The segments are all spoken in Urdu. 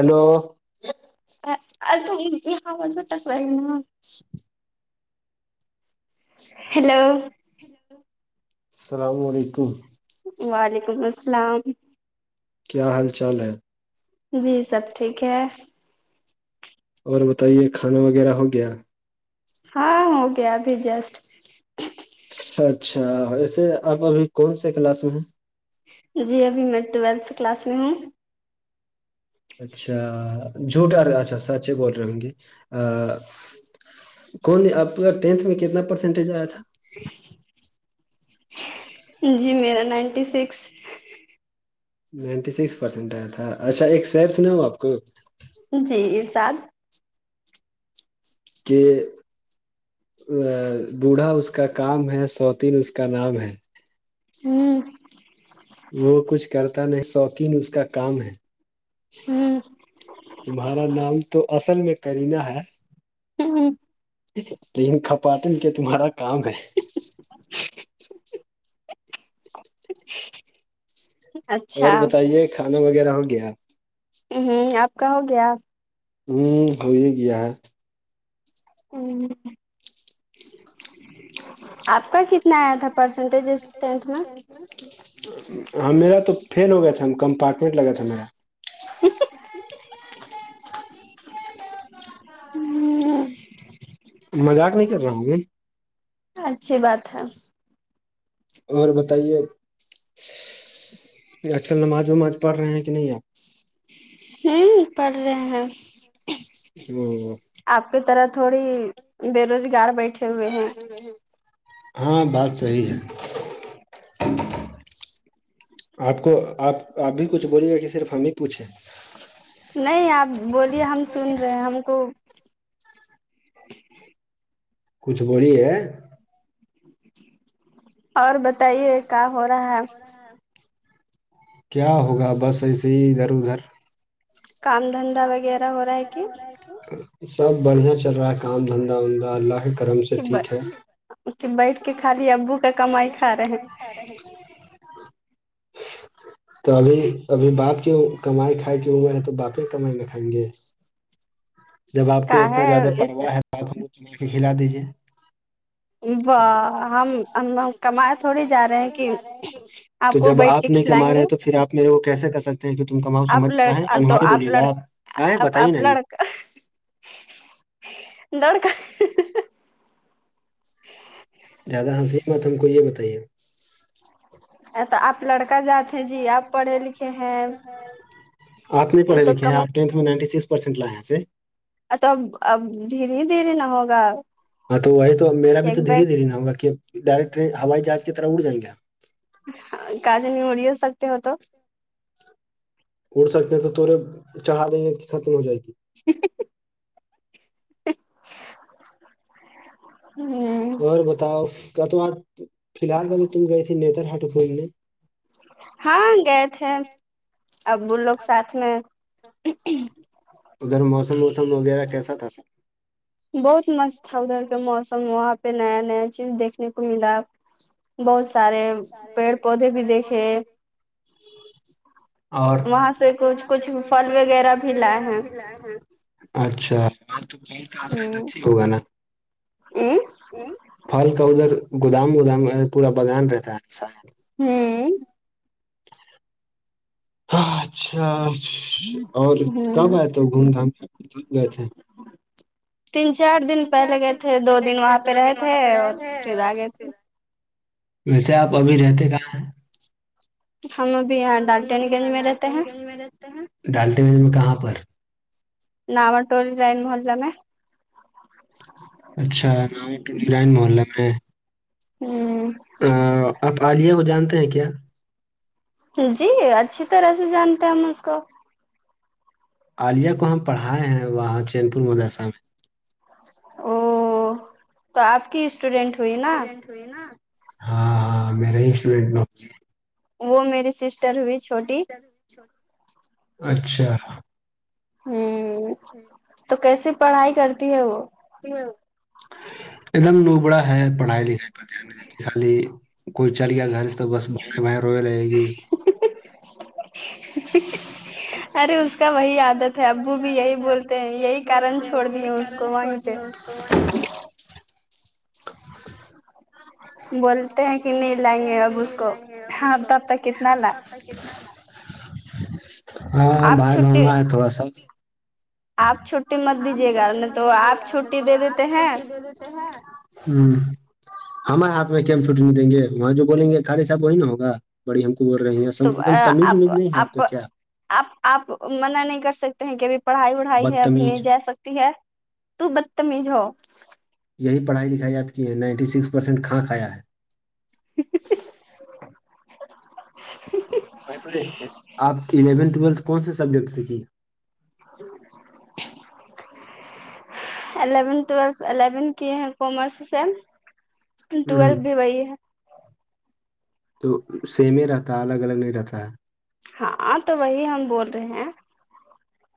تو جو ہیلو السلام علیکم وعلیکم السلام کیا حال چال ہے جی سب ٹھیک ہے اور بتائیے کھانا وغیرہ ہو گیا ہاں ہو گیا ابھی جسٹ اچھا ایسے آپ ابھی کون سے کلاس میں ہیں جی ابھی میں ٹویلتھ کلاس میں ہوں اچھا جھوٹ اچھا سچے بول رہے ہوں گی کون آپ کا ٹینتھ میں کتنا پرسینٹیج آیا تھا جی میرا ninety six ninety six percent آیا تھا اچھا ایک سییر سنا ہو آپ کو جی ارشاد کہ بوڑھا اس کا کام ہے سوطین اس کا نام ہے ہوں وہ کچھ کر نہیں شوقین اس کا کام ہے ہوں تمہارا نام تو اصل میں کرینہ ہے ہوں لیکن کپاٹن کے تمہارا کام ہے [unintelligible] اور اچھا بتائیے کھانا وغیرہ ہو گیا ہ ہوں آپ کااں ہو گیا ہوں ہو گیا ہے ہ آپ کا کتنا آیا تھا پرسنٹیج ہے ٹینتھ میں ہاں میرا تو فل ہو گیا تھا ہم کمپارٹمنٹ لگا تھا میرا [inaudible] ہوں مذاق نہیں کر رہا ہوں گے اچھی بات ہے اور بتائیے آج کل نماز وماز پڑھ رہے ہیں کہ نہیں آپ ہوں پڑ رہے ہیں ہ آپ کی طرح تھوڑی بے روزگار بیٹھے ہوئے ہیں ہاں بات صحی ہے آپ کو آپ آپ بھی کچھ بولیں گے کہ صرف ہم ہی پوچھیں نہیں آپ بولیے ہم سن رہے ہیں ہم کو کچھ بولی ہے اور بچ اور بتائیے کیا ہو رہے ہیں کیا ہوگا بس ایسے ہی ادھر ادھر کام دھندا وغیرہ ہو رہا ہے کہ سب بڑھیا چل رہا ہے کام دھندا وندا اللہ کرم سے کہ ٹھیک ہے کہ بیٹھ کے خالی ابو کا کمائی کھا رہے ہیں تو ابھی ابھی بات کیوں کمائی کھائی کی عمر ہے تو باپیں کمائی میں کھائیں گے جب آپ کو کا اتنا زیادہ ہے پرواہ ہے تو آپ ہملا کے کھلا دیجیے واہ ہم ہم کمائے تھوڑی جا رہے ہیں کہ تو کو جب بیٹھ کے آپ نہیں کما کھلائیں رہے گے ہیں تو پھر آپ میرے کو کیسے کر سکتے کہ تم کماؤ آپ سمجھ لڑ آ انواری بولیے گا آ بتائیے نا یہ دڑک زیادہ ہنسی بت ہم کو یہ بتائیے ا تو آپ لڑکا جاتے ہیں جی آپ پڑھے لکھے ہیں آپ پھے تو لکھے ہیں کم آ ٹینتھ میں نائنٹی سکس پرسینٹ لائے ہیں ایے ا تو اب اب دھیر ہی دھیرری نہ ہوگا ہاں تو وہی تو میرا بھی ایک تو بیگ دھیرری دھیر نہ ہوگ کہ ڈائریکٹ ٹرین ہوائی جہاز کی طرح اڑ جائیں گے ہ کاج نہیںوڑی ہو سکتے ہو تو اڑ سکتے تو توورے چڑھا دیں گے کہ ختم ہو جائے گی ہوں بتاؤ کیا تم آج فی الحال کا تو تم گئے تے نیتر ہاٹ کھولنے ہاں گئے تھے اب وہ لوگ ساتھ میں ادھر موسم ووسم وغیرہ کیسا تھا سر بہت مست تھا ادھر کا موسم وہاں پہ نیا نیا چیز دیکھنے کو ملا بہت سارے پیڑ پودے بھی دیکھے وہاں سے کچھ وہاں پہ کچھ پھل کچھل بھی لائے وغیرہ ہیں بھی لائے ہیں اچھا ہ [inaudible] [inaudible] پھل کا ادھر گودام وودام پورا بغان رہتا ہے ہوں اچھا اچھا اور کب ہ آے تھے گھوم گام کے کب گئے تھے تین چار دن پہلے گئے تھے دو دن وہاں پہ رہے تھے اور پھر آ گئے تھے ویسے آپ ابھی رہتے کہاں ہیں ہم ابھی یہاں ڈالٹنی گنج میں رہتے ہیں [inaudible] ڈالتے میں کہاں پر نامٹ ڈزائن محلہ میں ہے اچھا محلہ میں ہوں آ، آپ عالیہ کو جانتے ہیں کیا جی اچھی طرح سے جانتے ہیں ہم اس کو عالیہ کو ہم پڑھائے ہیں وہاں چین پور مدرسہ میں او تو آپ کی اسٹوڈینٹ ہوئی نا اسٹوڈینٹ ہوئے نا ہاں میرے ہی اسٹوڈینٹ وہ میری سسٹر ہوئی چھوٹی اچھا ہوں تو کیس پڑھائی کرتی ہے وہ ایک دم لوبڑا ہے پڑھائی لکھائی پر دھیان نہیں دیتی خالی کوئی چل گیا گھر سے تو بس بیں بائیں روئے رہے گی ارے اس کا وہی عادت ہے ابو بھی یہی بولتے ہیں یہی کرن چھوڑ دیے اس کو وہیں پہ بولتے ہیں کہ ن لائیں گے اب اس کو ہاں تب تک کتنا لا ہاں آپ بھائی چھٹی بہنگا ہے تھوڑا سا آپ چھٹی مت دیجیے گا نہیں تو آپ چھٹی دے دیتے ہیں ہوں ہمارے ہاتھ میں کیم چھٹٹی نہیں دیں گے وہاں جو بولیں گے خالی صاحب وہی نا ہوگا بڑی ہم کو بول رہی ہیں تو ایکم تمیز آپ امیز نہیں ہے آپ کو کیا آپ آپ منع نہیں کر سکتے ہیں کہ ابھی پڑھائی وڑھائی ہے ابھی نہیں بدتمیز جا سکتے ہے تو بدتمیز ہو یہی پڑھائی لکھائی آپ کی ہے نائنٹی سکس پرسینٹ کھاں کھیا ہے [inaudible] میں آپ الیونت ٹویلتھ کون سے سبجیکٹ سیکھی الیون الیون کی ہیں کمارس سے ہ ٹویلتھ بھی وہی ہے تو سیم ہی رہتا ہے الگ الگ نہیں رہتا ہے ہاں تو وہی ہم بول رہے ہیں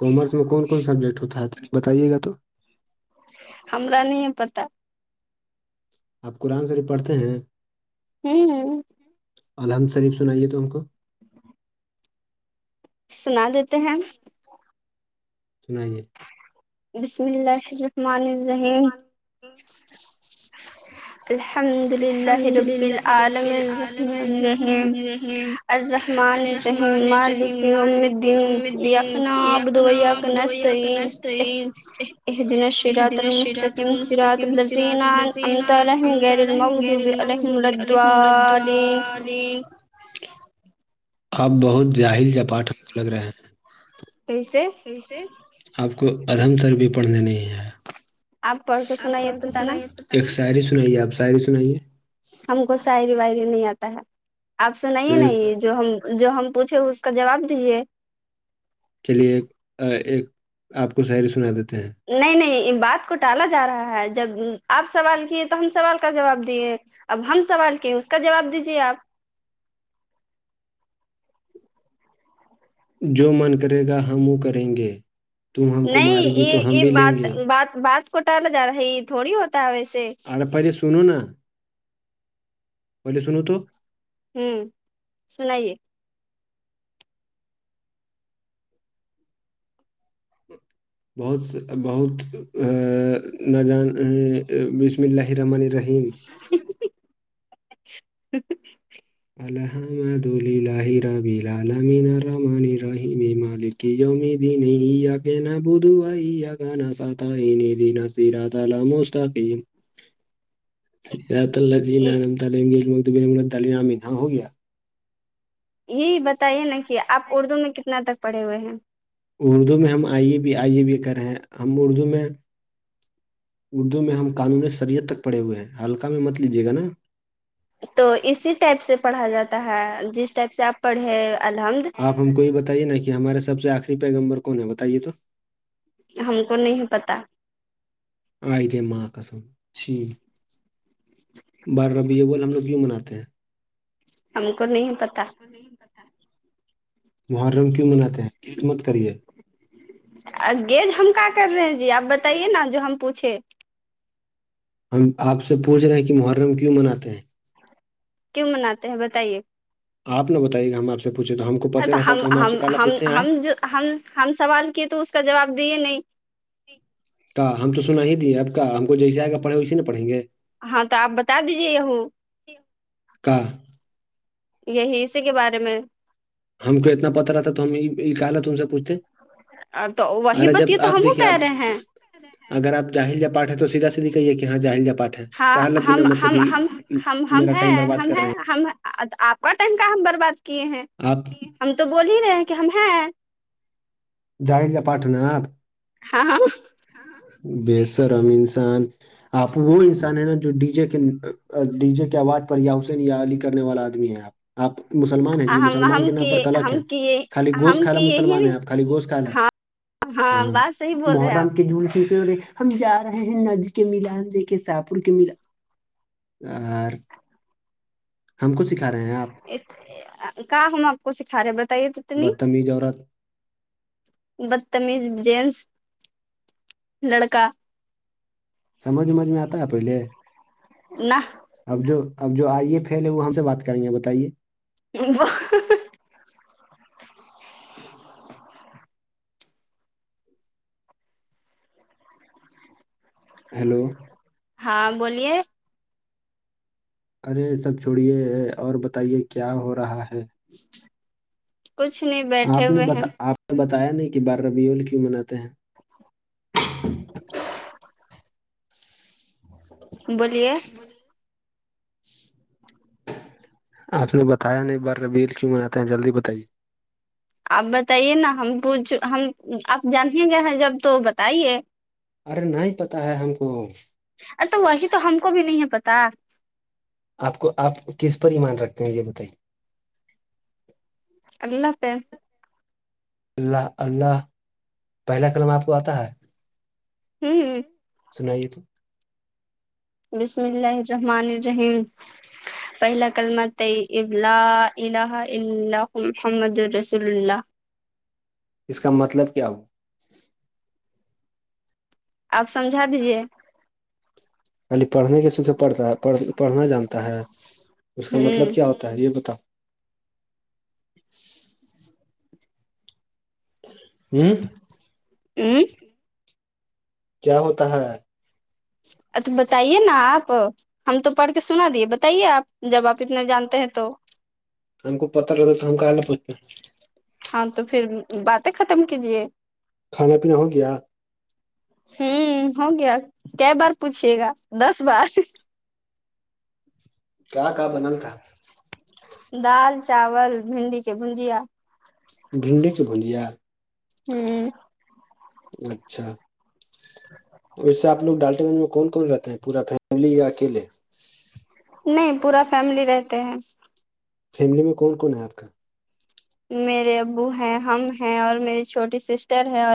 کامرس میں کون کون سبجیکٹ ہوتا بتائیے گا تو ہمارا نہیں ہے پتا آپ قرآن شریف پڑھتے ہیں ہوں الحمد شریف سنائیے تم کو سنا دیتے ہیں سنائیں گے بسم الله الرحمن الرحیم جی الحمدللہ رب العالمین الرحمن الرحیم الرحمن رحیم مالک امدن قنا ابدو نس ایک دن شیوراتر میں مستم سر الزینم یر المغدوبی الم ظالین آپ بہت جاہل جپاٹ ہم کو لگ رہے ہیں کیسے آپ کو ادھم تر بھی پڑھنے نہیں ہے آپ پڑھ کے آپ سنائیے تو ت نا سائیے ایک شاعری سنائیے آپ شاعری سنائیے ہم کو ساعری وائری نہیں آتا ہے آپ تو سناے ایک ن جو ہم جو ہم پوچھے اس کا جواب دیجیے چلیے ایک ایک آپ کو ساعری سنا دیتے ہیں نہیں نہیں بات کو ٹالا جا رہا ہے جب آپ سوال کیے تو ہم سوال کا جواب دیے اب ہم سوال کی ہیں اس کا جواب دیجیے آپ جو من کرے گا ہم وہ کریں گے تم ہم کو نہیں مارے گی یہ تو ہم یہ بھی لیں بات گے بات بات کو ٹالا جا رہا ہے یہ تھوڑی ہوتا ہے ویسے ا پہلے سنوں نا پہلے سنو تو ہوں سنائیے بہت بہت ا ن جان بسم اللله رمانی جی الحمد ال رب کی جو م د نہیں یا کہ نا بدو آ گ نا سات ن د ن یر موقم اللہ جیعم تعلیمامین ہ ہو گیا یہی بتائیے نا کہ آپ اردو میں کتنا تک پڑھے ہوئے ہیں اردو میں ہم آئیے بھی آئیے بھی کر رہے ہیں ہم اردو میں اردو میں ہم قانوون سریت تک پڑے ہوئے ہیں حلقہ میں مت لیجیے گا نا تو اسی ٹائپ سے پڑھا جاتا ہے جس ٹائپ سے آپ پڑھے الحمد آپ ہم کو یہ بتائیے نا کہ ہمارے سب آخری پیگ نمبر کون ہے بتائیے تو ہم کو نہیں پتا آئے تھے ماں کا س جی بار ربیے بول ہم لوگ کییوں مناتے ہیں ہم کو نہیں پتا یہی کتا محرم کیوں مناتے ہیں خدمت کریے گیز ہم کا کر رہے ہیں جی آپ بتائیے نا جو ہم پوچھے ہم آپ سے پوچھ رہے ہیں کہ محرم کیوں مناتے ہیں کیوں مناتے ہیں بتائیے آپ نہ بتائیے گا ہم آپ سے پوچھے تو ہم کو پتہ اچا رہتا ہم تو آپ سے کالا ہم پوچھتے ہیں آئے ہم جو ہم ہم سوال کیے تو اس کا جواب دیے نہیں کہ ہم تو سنا ہی تے اب کا ہم کو جیسے آئے گا پڑھے ویسے نا پڑھیں گے ہاں تو آپ بتا دیجیے وں کا یہی اسی کے بارے میں ہم کو اتنا پت رہتا تو ہم نکال تم سے پوچتے تو وہی ارے جب بتیے تو آپ ہم دیکھیے کہہ آپ رہے ہیں اگر جاہل جا پاٹ ہے تو سیدھا سیدد کہیے کہ ہاں جاہل جا پاٹ ہے ہاں کہا بنا مطلب ہی ہم میرا ٹائم برباد کر رہے ہیںہم آپ کا ٹائم کا ہم برباد کیے ہیں آپ ہم تو بول ہی رہے ہیں کہ ہم ہیں جاہزہ پاٹنا آپ ہاں ہاں بے شرم انسان آپ وہ انسان ہیں نا جو ڈی جے کے ڈی جے کے آواز پر یاسین علی کرنے والا آدمی ہے آپ آپ مسلمان ہیں جی ہم مسلمان ہم کے نام پر کیے کلک ہے ہم کیے خالی گوش ہم کھا لا کیے ہی مسلمان ہے نہیں آپ خالی گوشت کھا ہاں بات صحیح بول رہے آپ محرم کے جول ہم جا رہے ہیں نج کے ملان دیکھے شاہپور کے ملان اور ہم کو سکھ رہے ہیں آپ کہ ہم آپ کو سکھا رہے ہیں بتائیے اتنی بدتمیز اورورت بدتمیز جینس لڑکا سمجھ ومجھ میں آتا ہے پہلے نہ اب جو اب جو آئیے پیل ہے وہ ہم سے بات کریں گے بتائیے وہ ہیلو ہاں بولیے ارے سب چھڑیے اور بتائیے کیا ہو رہا ہے کچھ نہیں بیٹھے ہوئے ہیں میں نے بتایا نہیں کہ بار ربیول کیوں مناتے ہیں جی بولیے آپ نے بتایا نہیں بار ربیل کیوں میں آتا ہیں جلدی بتائیے آپ بتائیے نا ہم پوچھ ہم آپ جانیں گ ہیں جب تو بتائیے ارے نہیں پت ہے ہم کو ار تو وہی تو ہم کو بھی نہیں ہے پتا آپ کو آپ کس پر ایمان رکھتے ہیں یہ بتائیے اللہ پہ اللہ اللہ پہلا قلم آپ کو آتا ہے ہوں سنائیے تو بسم اللہ الرحمن الرحیم پہلا کلمہ ابلا اللہ محمد رسول اللہ اس کا مطلب کیا ہوا آپ سمجھا دیجیے خالی پڑھنے کے سوکھے پڑھتا ہےڑھ پڑھنا جانتا ہے اس کا ہوں مطلب کیا ہوتا ہے یہ بتاؤ ہاں اوں کیا ہوتا ہے اچھا بتائیے نا آپ ہم تو پڑھ کے سنا دیے بتائیے آپ جب آپ اتنا جانتے ہیں تو ہم کو پتاہ کرتا تو ہم کو آئ پچ ہاں تو پھر باتیں ختم کیجیے کھانا پینا ہو گیا ہوں ہو گیا ک بار پوچھیے گا دس بار کیا کا بنل تھا دال چاول بھنڈی کے بھجیا بھنڈی کے بھجیا ہوں اچھا تو ویسے آ لوگ ڈالٹے گنج میں کون کون رہتے ہیں پورا فیملی یا اکیے نہیں پورا فیملی رہتے ہیں فیملی میں کون کون ہے آپ کا میرے ابو ہیں ہم ہیں اور میری چھوٹی سسٹر ہے اور